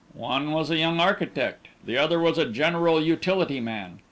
"One was a young architect, the other was a general utility man.